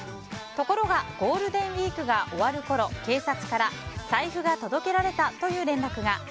ところがゴールデンウィークが終わるころ警察から財布が届けられたという連絡が。